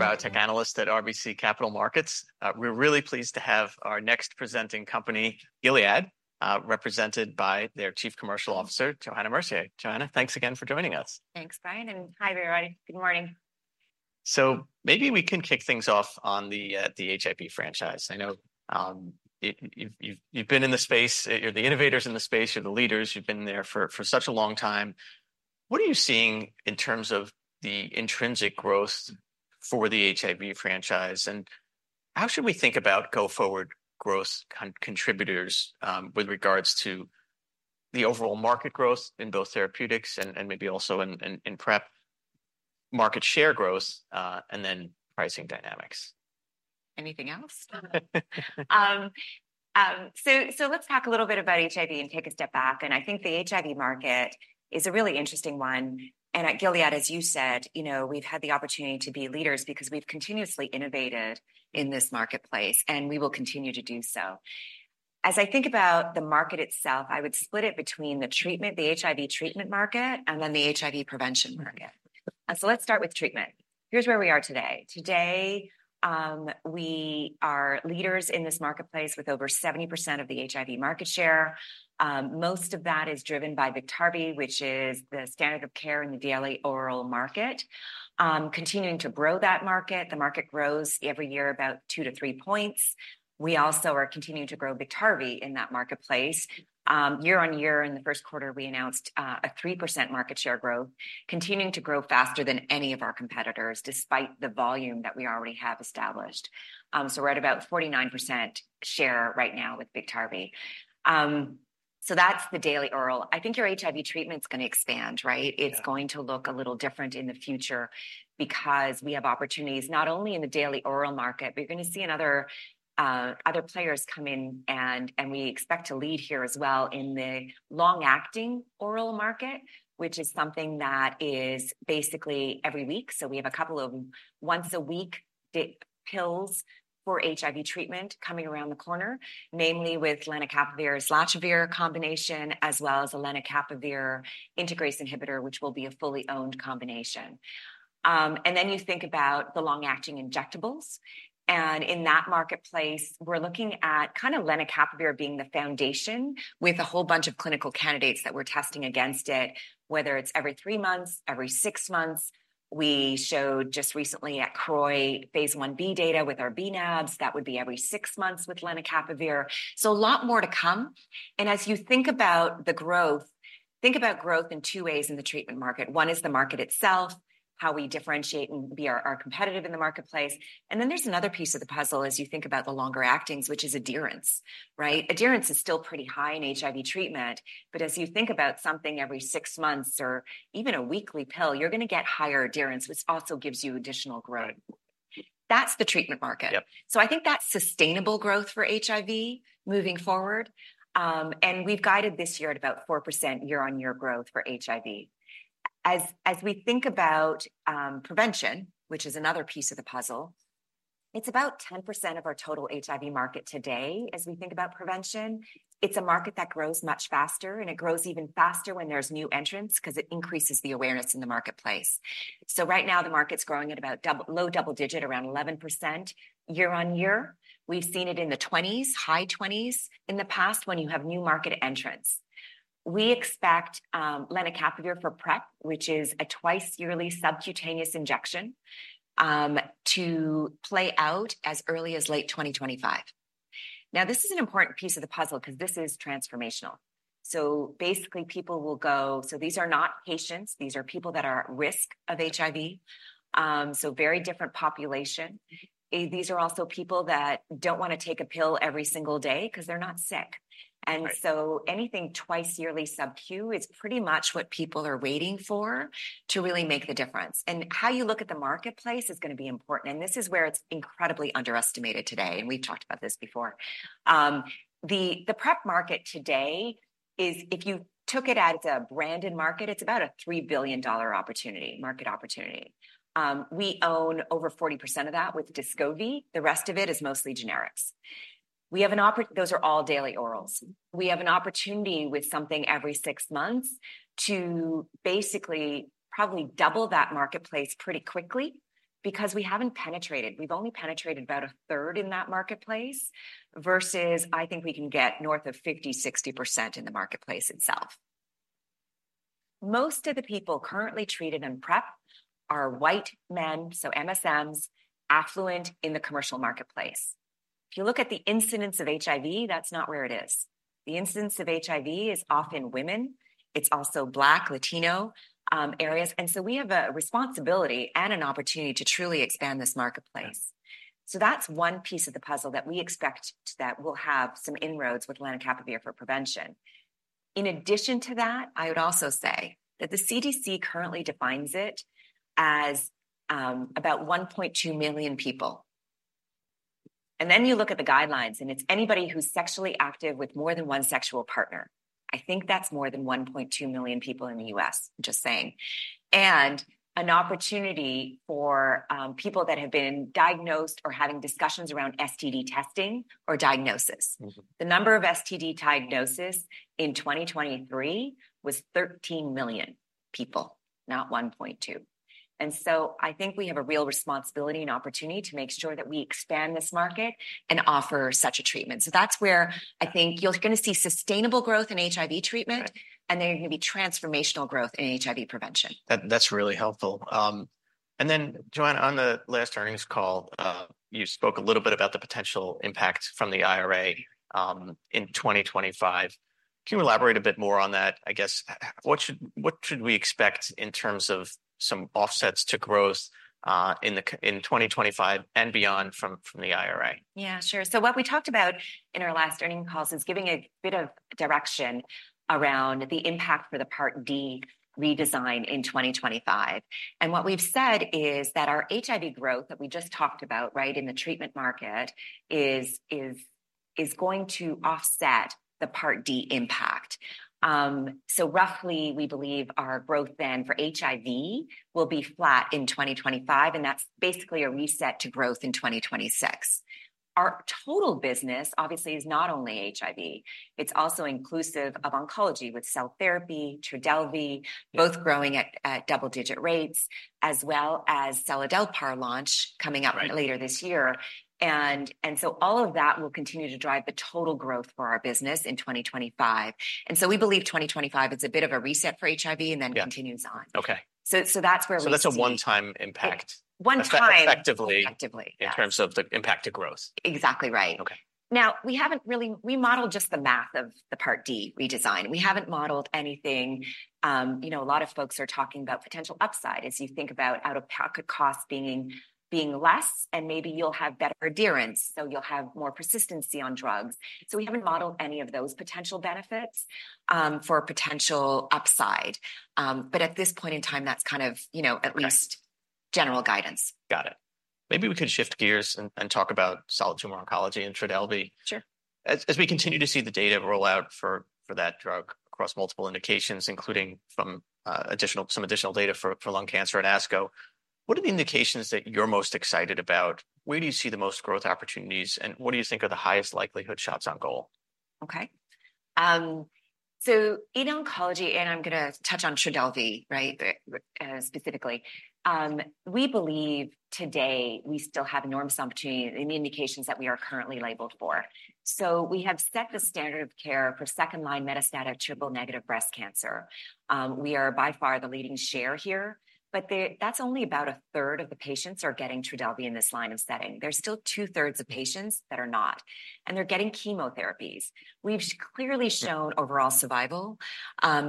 Your Biotech Analyst at RBC Capital Markets. We're really pleased to have our next presenting company, Gilead, represented by their Chief Commercial Officer, Johanna Mercier. Johanna, thanks again for joining us. Thanks, Brian, and hi, everybody. Good morning. So maybe we can kick things off on the HIV franchise. I know, you've been in the space. You're the innovators in the space, you're the leaders. You've been there for such a long time. What are you seeing in terms of the intrinsic growth for the HIV franchise, and how should we think about go-forward growth contributors, with regards to the overall market growth in both therapeutics and maybe also in PrEP market share growth, and then pricing dynamics? Anything else? So let's talk a little bit about HIV and take a step back, and I think the HIV market is a really interesting one. And at Gilead, as you said, you know, we've had the opportunity to be leaders because we've continuously innovated in this marketplace, and we will continue to do so. As I think about the market itself, I would split it between the treatment, the HIV treatment market, and then the HIV prevention market. And so let's start with treatment. Here's where we are today. Today, we are leaders in this marketplace with over 70% of the HIV market share. Most of that is driven by Biktarvy, which is the standard of care in the daily oral market. Continuing to grow that market, the market grows every year about two-three points. We also are continuing to grow Biktarvy in that marketplace. Year-on-year in the first quarter, we announced a 3% market share growth, continuing to grow faster than any of our competitors, despite the volume that we already have established. So we're at about 49% share right now with Biktarvy. So that's the daily oral. I think your HIV treatment is going to expand, right? Yeah. It's going to look a little different in the future because we have opportunities, not only in the daily oral market, but you're going to see another, other players come in, and, and we expect to lead here as well in the long-acting oral market, which is something that is basically every week. So we have a couple of once-a-week pill for HIV treatment coming around the corner, namely with lenacapavir, islatravir combination, as well as a lenacapavir integrase inhibitor, which will be a fully owned combination. And then you think about the long-acting injectables, and in that marketplace, we're looking at kind of lenacapavir being the foundation with a whole bunch of clinical candidates that we're testing against it, whether it's every three months, every six months. We showed just recently at CROI phase I-B data with our bNAbs. That would be every 6 months with lenacapavir. So a lot more to come, and as you think about the growth, think about growth in two ways in the treatment market. One is the market itself, how we differentiate and are competitive in the marketplace. And then there's another piece of the puzzle as you think about the longer-actings, which is adherence, right? Adherence is still pretty high in HIV treatment, but as you think about something every six months or even a weekly pill, you're going to get higher adherence, which also gives you additional growth. Right. That's the treatment market. Yep. So I think that's sustainable growth for HIV moving forward. And we've guided this year at about 4% year-on-year growth for HIV. As we think about prevention, which is another piece of the puzzle, it's about 10% of our total HIV market today as we think about prevention. It's a market that grows much faster, and it grows even faster when there's new entrants 'cause it increases the awareness in the marketplace. So right now, the market's growing at about low double digits, around 11% year-on-year. We've seen it in the 20s, high 20s in the past, when you have new market entrants. We expect lenacapavir for PrEP, which is a twice-yearly subcutaneous injection, to play out as early as late 2025. Now, this is an important piece of the puzzle because this is transformational. So basically, people will go... So these are not patients. These are people that are at risk of HIV, so very different population. These are also people that don't want to take a pill every single day because they're not sick. Right. And so anything twice yearly SubQ is pretty much what people are waiting for to really make the difference. And how you look at the marketplace is going to be important, and this is where it's incredibly underestimated today, and we've talked about this before. The PrEP market today is, if you took it as a branded market, it's about a $3 billion opportunity, market opportunity. We own over 40% of that with Descovy. The rest of it is mostly generics. Those are all daily orals. We have an opportunity with something every six months to basically probably double that marketplace pretty quickly because we haven't penetrated. We've only penetrated about a third in that marketplace, versus I think we can get north of 50%-60% in the marketplace itself. Most of the people currently treated in PrEP are white men, so MSMs, affluent in the commercial marketplace. If you look at the incidence of HIV, that's not where it is. The incidence of HIV is often women. It's also Black, Latino, areas, and so we have a responsibility and an opportunity to truly expand this marketplace. Yeah. So that's one piece of the puzzle that we expect that will have some inroads with lenacapavir for prevention. In addition to that, I would also say that the CDC currently defines it as, about 1.2 million people. And then you look at the guidelines, and it's anybody who's sexually active with more than one sexual partner. I think that's more than 1.2 million people in the U.S., just saying. And an opportunity for, people that have been diagnosed or having discussions around STD testing or diagnosis. Mm-hmm. The number of STD diagnoses in 2023 was 13 million people, not 1.2 million. And so I think we have a real responsibility and opportunity to make sure that we expand this market and offer such a treatment. So that's where I think you're gonna see sustainable growth in HIV treatment- Right. And there's gonna be transformational growth in HIV prevention. That, that's really helpful. And then Johanna, on the last earnings call, you spoke a little bit about the potential impact from the IRA, in 2025. Can you elaborate a bit more on that? I guess, what should we expect in terms of some offsets to growth, in 2025 and beyond from the IRA? Yeah, sure. So what we talked about in our last earnings calls is giving a bit of direction around the impact for the Part D redesign in 2025. And what we've said is that our HIV growth, that we just talked about, right, in the treatment market, is going to offset the Part D impact. So roughly, we believe our growth then for HIV will be flat in 2025, and that's basically a reset to growth in 2026. Our total business, obviously, is not only HIV, it's also inclusive of oncology with cell therapy, Trodelvy- Yeah.... both growing at double-digit rates, as well as seladelpar launch coming out- Right.... later this year. And so all of that will continue to drive the total growth for our business in 2025. And so we believe 2025 is a bit of a reset for HIV, and then- Yeah.... continues on. Okay. So that's where we see- So that's a one-time impact? One time. Effectively- Effectively, yes.... in terms of the impact to growth. Exactly right. Okay. Now, we haven't really—we modeled just the math of the Part D redesign. We haven't modeled anything, you know, a lot of folks are talking about potential upside as you think about out-of-pocket costs being less, and maybe you'll have better adherence, so you'll have more persistency on drugs. So we haven't modeled any of those potential benefits for a potential upside. But at this point in time, that's kind of, you know- Okay..... at least general guidance. Got it. Maybe we could shift gears and talk about solid tumor oncology and Trodelvy. Sure. As we continue to see the data roll out for that drug across multiple indications, including from some additional data for lung cancer and ASCO, what are the indications that you're most excited about? Where do you see the most growth opportunities, and what do you think are the highest likelihood shots on goal? Okay. So in oncology, and I'm gonna touch on Trodelvy, right, specifically, we believe today we still have enormous opportunity in the indications that we are currently labeled for. So we have set the standard of care for second-line metastatic triple-negative breast cancer. We are by far the leading share here, but the, that's only about a third of the patients are getting Trodelvy in this line of setting. There's still two-thirds of patients that are not, and they're getting chemotherapies. We've clearly shown- Yeah.... overall survival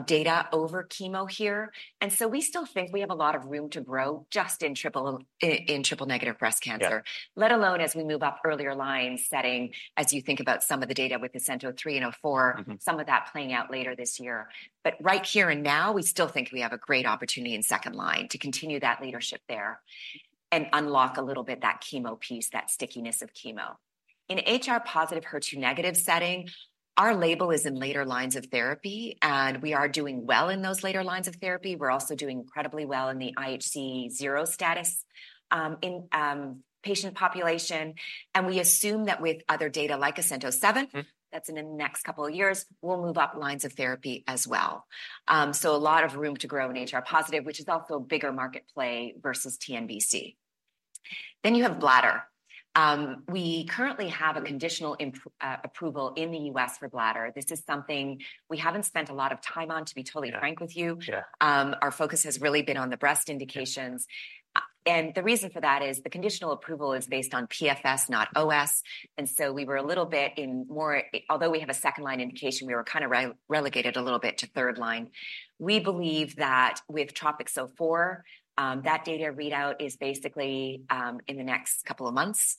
data over chemo here, and so we still think we have a lot of room to grow just in triple-negative breast cancer. Yeah. Let alone as we move up earlier line setting, as you think about some of the data with ASCENT-03 and ASCENT-04 Mm-hmm.... some of that playing out later this year. But right here and now, we still think we have a great opportunity in second line to continue that leadership there and unlock a little bit that chemo piece, that stickiness of chemo. In HR-positive, HER2-negative setting, our label is in later lines of therapy, and we are doing well in those later lines of therapy. We're also doing incredibly well in the IHC 0 status in patient population, and we assume that with other data like ASCENT-07- Mm.... that's in the next couple of years, we'll move up lines of therapy as well. So a lot of room to grow in HR positive, which is also a bigger market play versus TNBC. Then, you have bladder. We currently have a conditional approval in the U.S. for bladder. This is something we haven't spent a lot of time on, to be totally frank with you. Sure. Our focus has really been on the breast indications. Yeah. And the reason for that is the conditional approval is based on PFS, not OS, and so we were a little bit in more, although we have a second-line indication, we were kind of relegated a little bit to third-line. We believe that with TROPiCS-04, that data readout is basically in the next couple of months.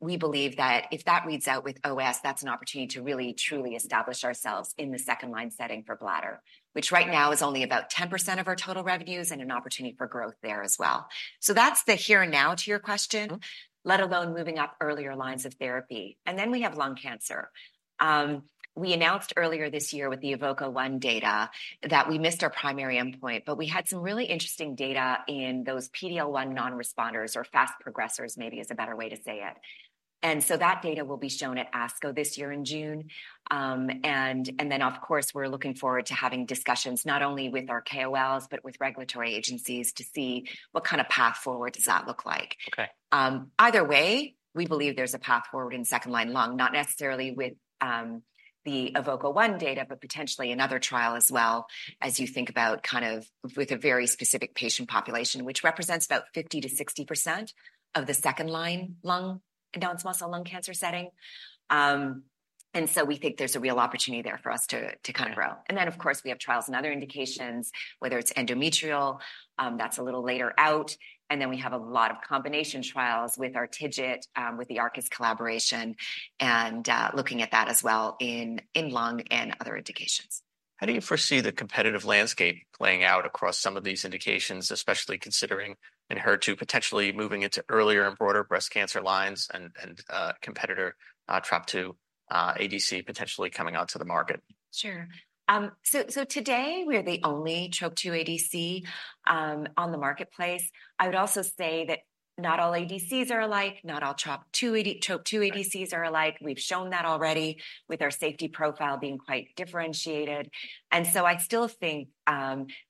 We believe that if that reads out with OS, that's an opportunity to really, truly establish ourselves in the second-line setting for bladder, which right now is only about 10% of our total revenues and an opportunity for growth there as well. So that's the here and now to your question- Mm... let alone moving up earlier lines of therapy. And then we have lung cancer. We announced earlier this year with the EVOKE-01 data that we missed our primary endpoint, but we had some really interesting data in those PD-L1 non-responders, or fast progressors maybe is a better way to say it. And so that data will be shown at ASCO this year in June. And then, of course, we're looking forward to having discussions not only with our KOLs, but with regulatory agencies to see what kind of path forward does that look like. Okay. Either way, we believe there's a path forward in second-line lung, not necessarily with the EVOKE-01 data, but potentially another trial as well, as you think about kind of with a very specific patient population, which represents about 50%-60% of the second-line lung, non-small cell lung cancer setting. And so we think there's a real opportunity there for us to, to kind of grow. Mm. And then, of course, we have trials and other indications, whether it's endometrial, that's a little later out, and then we have a lot of combination trials with anti-TIGIT, with the Arcus collaboration, and, looking at that as well in lung and other indications.... How do you foresee the competitive landscape playing out across some of these indications, especially considering Enhertu potentially moving into earlier and broader breast cancer lines and competitor Trop-2 ADC potentially coming out to the market? Sure. So today we're the only Trop-2 ADC on the marketplace. I would also say that not all ADCs are alike, not all Trop-2 ADCs are alike. We've shown that already, with our safety profile being quite differentiated. And so I still think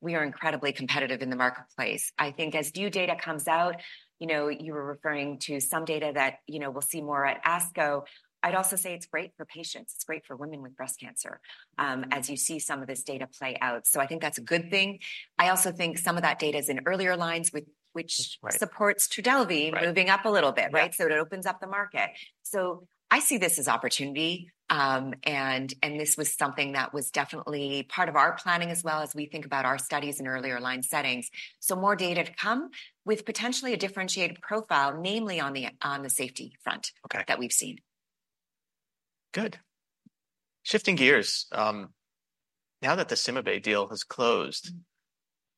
we are incredibly competitive in the marketplace. I think as new data comes out, you know, you were referring to some data that, you know, we'll see more at ASCO. I'd also say it's great for patients, it's great for women with breast cancer, as you see some of this data play out. So I think that's a good thing. I also think some of that data is in earlier lines, with which- Right - supports Trodelvy - Right moving up a little bit, right? Yeah. So it opens up the market. So I see this as opportunity, and this was something that was definitely part of our planning as well as we think about our studies in earlier line settings. So more data to come, with potentially a differentiated profile, namely on the safety front- Okay - that we've seen. Good. Shifting gears, now that the CymaBay deal has closed,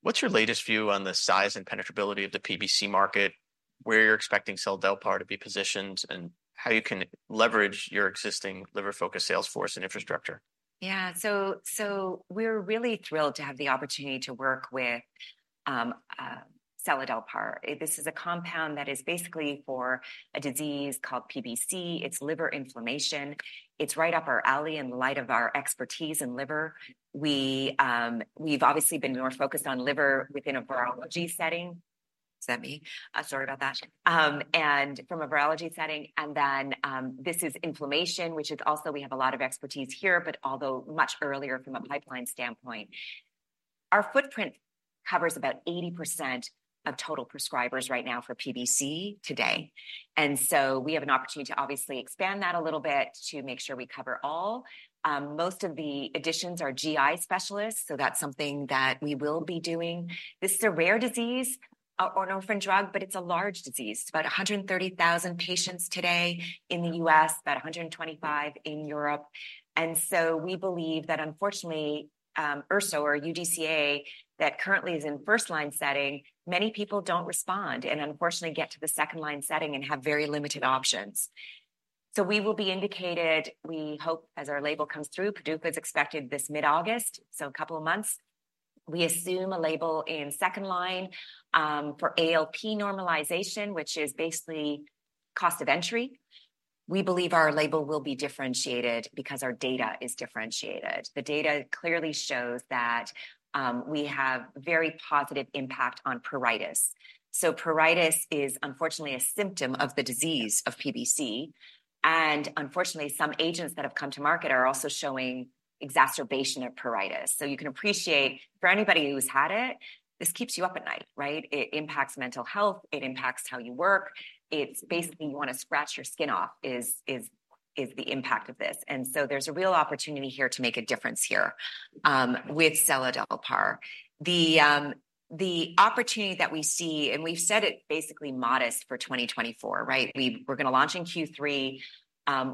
what's your latest view on the size and penetrability of the PBC market, where you're expecting seladelpar to be positioned, and how you can leverage your existing liver-focused sales force and infrastructure? Yeah. So, so we're really thrilled to have the opportunity to work with, seladelpar. This is a compound that is basically for a disease called PBC. It's liver inflammation. It's right up our alley in light of our expertise in liver. We've obviously been more focused on liver within a virology setting. And from a virology setting, and then, this is inflammation, which is also we have a lot of expertise here, but although much earlier from a pipeline standpoint. Our footprint covers about 80% of total prescribers right now for PBC today, and so we have an opportunity to obviously expand that a little bit to make sure we cover all. Most of the additions are GI specialists, so that's something that we will be doing. This is a rare disease, or an orphan drug, but it's a large disease. About 130,000 patients today in the U.S., about 125,000 in Europe. So we believe that unfortunately, URSO or UDCA, that currently is in first-line setting, many people don't respond, and unfortunately get to the second-line setting and have very limited options. We will be indicated, we hope, as our label comes through. PDUFA is expected this mid-August, so a couple of months. We assume a label in second line, for ALP normalization, which is basically cost of entry. We believe our label will be differentiated because our data is differentiated. The data clearly shows that, we have very positive impact on pruritus. So pruritus is unfortunately a symptom of the disease of PBC, and unfortunately, some agents that have come to market are also showing exacerbation of pruritus. So you can appreciate, for anybody who's had it, this keeps you up at night, right? It impacts mental health, it impacts how you work. It's basically you want to scratch your skin off, is the impact of this. And so there's a real opportunity here to make a difference here with seladelpar. The opportunity that we see, and we've said it, basically modest for 2024, right? We're going to launch in Q3.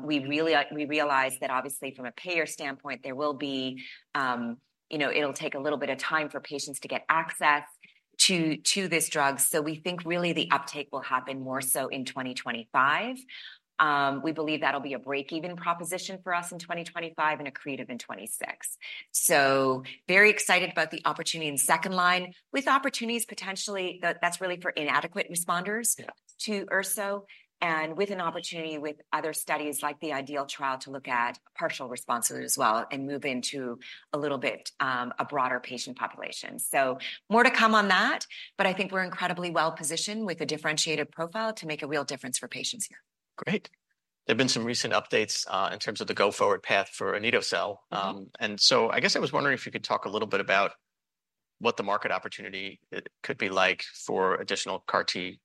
We really realize that obviously from a payer standpoint, there will be, you know, it'll take a little bit of time for patients to get access to this drug. We think really the uptake will happen more so in 2025. We believe that'll be a break-even proposition for us in 2025, and accretive in 2026. Very excited about the opportunity in second line, with opportunities potentially, that's really for inadequate responders- Yeah - to URSO, and with an opportunity with other studies like the IDEAL trial, to look at partial responses as well, and move into a little bit, a broader patient population. So more to come on that, but I think we're incredibly well-positioned with a differentiated profile to make a real difference for patients here. Great. There have been some recent updates, in terms of the go-forward path for Anito-cel. Mm-hmm. And so I guess I was wondering if you could talk a little bit about what the market opportunity could be like for additional CAR-T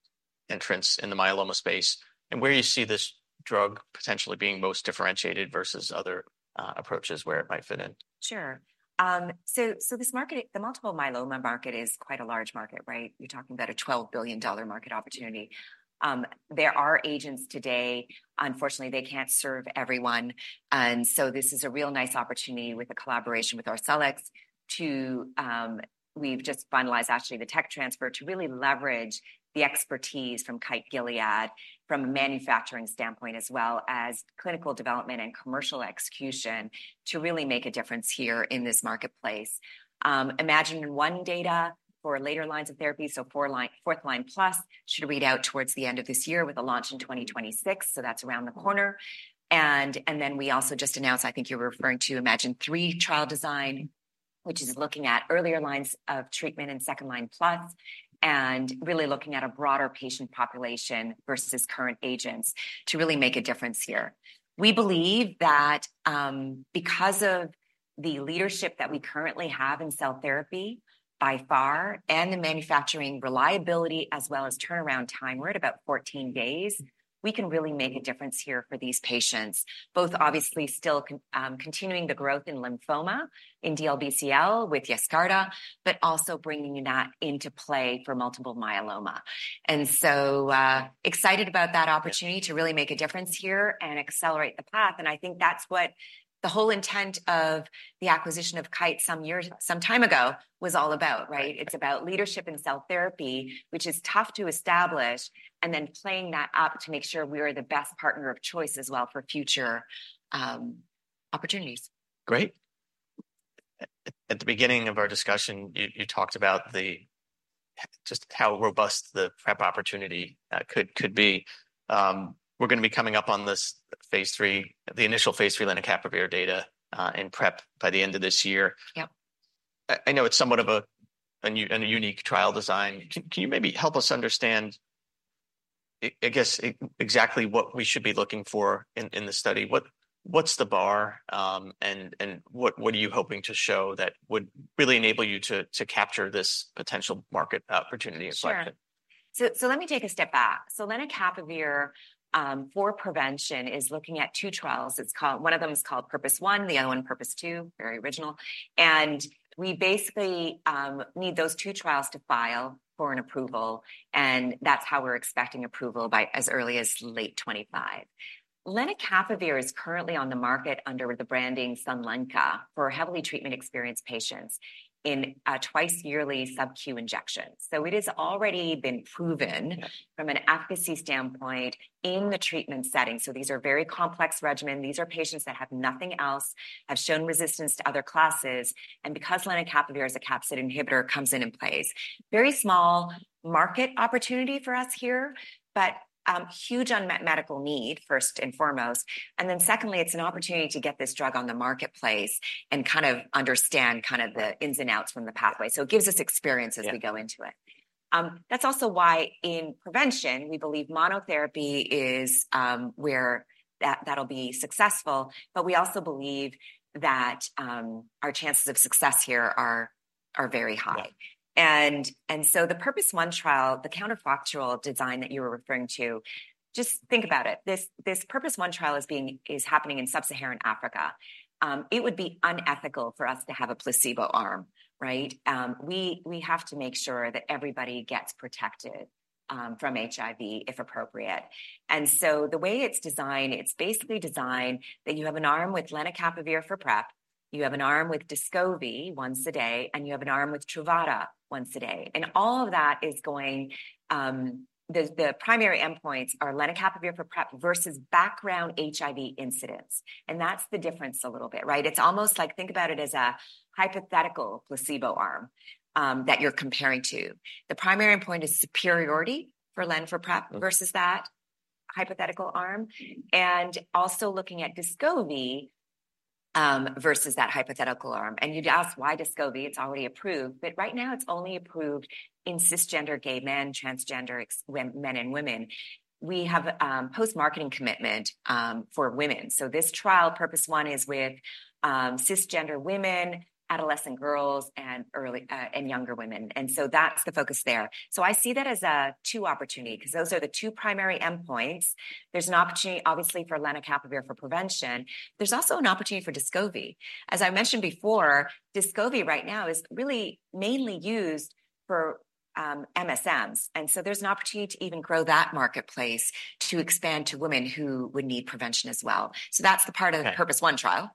entrants in the myeloma space, and where you see this drug potentially being most differentiated versus other approaches, where it might fit in. Sure. So this market, the multiple myeloma market is quite a large market, right? You're talking about a $12 billion market opportunity. There are agents today, unfortunately, they can't serve everyone, and so this is a real nice opportunity with a collaboration with Arcellx to... We've just finalized actually the tech transfer, to really leverage the expertise from Kite Gilead from a manufacturing standpoint, as well as clinical development and commercial execution, to really make a difference here in this marketplace. iMMagine-1 data for later lines of therapy, so fourth line plus, should read out towards the end of this year with a launch in 2026, so that's around the corner. Then we also just announced, I think you were referring to iMMagine-3 trial design, which is looking at earlier lines of treatment and second-line plus, and really looking at a broader patient population versus current agents to really make a difference here. We believe that, because of the leadership that we currently have in cell therapy, by far, and the manufacturing reliability as well as turnaround time, we're at about 14 days, we can really make a difference here for these patients. Both obviously still continuing the growth in lymphoma, in DLBCL with Yescarta, but also bringing that into play for multiple myeloma. So, excited about that opportunity to really make a difference here and accelerate the path, and I think that's what the whole intent of the acquisition of Kite some years ago was all about, right? Yeah. It's about leadership in cell therapy, which is tough to establish, and then playing that up to make sure we are the best partner of choice as well for future, opportunities. Great, at the beginning of our discussion, you talked about just how robust the PrEP opportunity could be. We're gonna be coming up on this phase III, the initial phase III lenacapavir data, in PrEP by the end of this year. Yep. I know it's somewhat of a unique trial design. Can you maybe help us understand, I guess, exactly what we should be looking for in the study? What's the bar, and what are you hoping to show that would really enable you to capture this potential market opportunity if granted? Sure. So let me take a step back. So lenacapavir for prevention is looking at two trials. It's called one of them is called PURPOSE 1, the other one PURPOSE 2, very original, and we basically need those two trials to file for an approval, and that's how we're expecting approval by as early as late 2025. lenacapavir is currently on the market under the branding Sunlenca, for heavily treatment-experienced patients in twice yearly SubQ injections. So it has already been proven- Yeah... from an efficacy standpoint in the treatment setting, so these are very complex regimen. These are patients that have nothing else, have shown resistance to other classes, and because lenacapavir is a capsid inhibitor, comes in and plays. Very small market opportunity for us here, but, huge unmet medical need, first and foremost, and then secondly, it's an opportunity to get this drug on the marketplace and kind of understand kind of the ins and outs from the pathway. Yeah. So it gives us experience- Yeah... as we go into it. That's also why, in prevention, we believe monotherapy is where that, that'll be successful, but we also believe that our chances of success here are very high. Yeah. So the PURPOSE 1 trial, the counterfactual design that you were referring to, just think about it, this PURPOSE 1 trial is happening in sub-Saharan Africa. It would be unethical for us to have a placebo arm, right? We have to make sure that everybody gets protected from HIV, if appropriate. So the way it's designed, it's basically designed that you have an arm with lenacapavir for PrEP, you have an arm with Descovy once a day, and you have an arm with Truvada once a day, and all of that is going. The primary endpoints are lenacapavir for PrEP versus background HIV incidence, and that's the difference a little bit, right? It's almost like, think about it as a hypothetical placebo arm that you're comparing to. The primary endpoint is superiority for len for PrEP versus that hypothetical arm, and also looking at Descovy versus that hypothetical arm. You'd ask, "Why Descovy? It's already approved." But right now, it's only approved in cisgender gay men, transgender men and women. We have post-marketing commitment for women, so this trial, PURPOSE 1, is with cisgender women, adolescent girls, and early and younger women, and so that's the focus there. So I see that as a two opportunity, 'cause those are the two primary endpoints. There's an opportunity, obviously, for lenacapavir for prevention. There's also an opportunity for Descovy. As I mentioned before, Descovy right now is really mainly used for MSMs, and so there's an opportunity to even grow that marketplace to expand to women who would need prevention as well. So that's the part of- Okay... the PURPOSE 1 trial.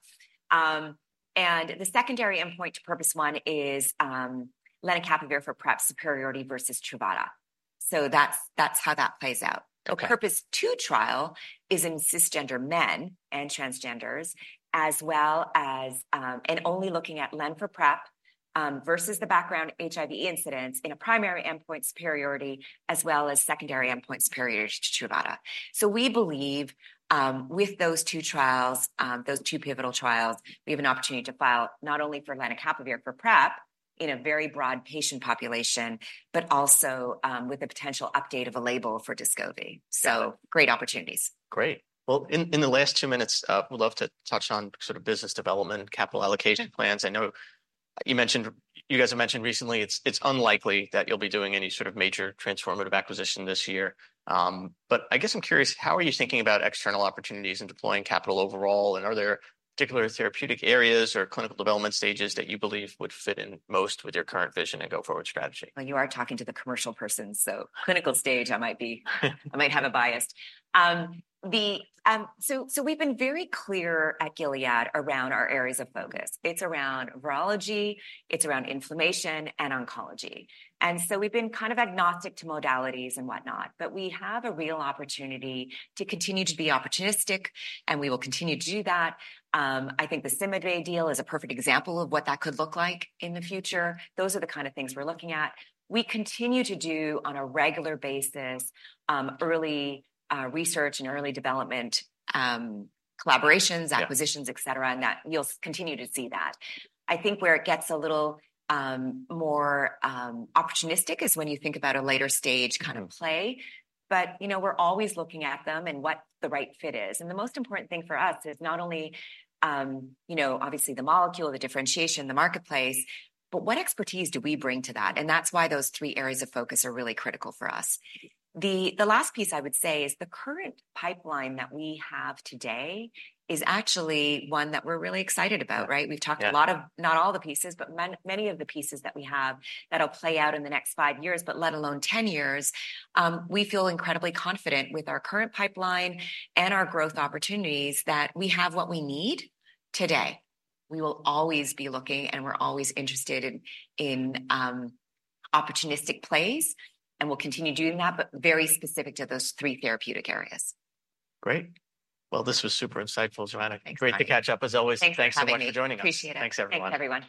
And the secondary endpoint to PURPOSE 1 is lenacapavir for PrEP superiority versus Truvada, so that's, that's how that plays out. Okay. The PURPOSE 2 trial is in cisgender men and transgenders, as well as, and only looking at len for PrEP, versus the background HIV incidence in a primary endpoint superiority, as well as secondary endpoint superiority to Truvada. So we believe, with those two trials, those two pivotal trials, we have an opportunity to file not only for lenacapavir for PrEP in a very broad patient population, but also, with a potential update of a label for Descovy. Yeah. Great opportunities. Great. Well, in the last two minutes, would love to touch on sort of business development and capital allocation plans. I know you mentioned, you guys have mentioned recently, it's unlikely that you'll be doing any sort of major transformative acquisition this year. But I guess I'm curious, how are you thinking about external opportunities and deploying capital overall, and are there particular therapeutic areas or clinical development stages that you believe would fit in most with your current vision and go-forward strategy? Well, you are talking to the commercial person, so clinical stage, I might have a bias. So we've been very clear at Gilead around our areas of focus. It's around virology, it's around inflammation, and oncology, and so we've been kind of agnostic to modalities and whatnot. But we have a real opportunity to continue to be opportunistic, and we will continue to do that. I think the CymaBay deal is a perfect example of what that could look like in the future. Those are the kind of things we're looking at. We continue to do, on a regular basis, early research and early development collaborations. Yeah... acquisitions, et cetera, and that, you'll continue to see that. I think where it gets a little more opportunistic is when you think about a later stage kind of play. But you know, we're always looking at them and what the right fit is, and the most important thing for us is not only you know obviously the molecule, the differentiation, the marketplace, but what expertise do we bring to that? And that's why those three areas of focus are really critical for us. The last piece I would say is the current pipeline that we have today is actually one that we're really excited about, right? Yeah. We've talked a lot of, not all the pieces, but many of the pieces that we have that'll play out in the next five years, but let alone ten years. We feel incredibly confident with our current pipeline and our growth opportunities that we have what we need today. We will always be looking, and we're always interested in opportunistic plays, and we'll continue doing that, but very specific to those three therapeutic areas. Great. Well, this was super insightful, Johanna. Thanks, Brian Great to catch up, as always. Thanks for having me. Thanks so much for joining us. Appreciate it. Thanks, everyone. Thank you, everyone.